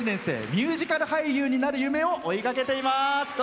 ミュージカル俳優になる夢を追いかけています。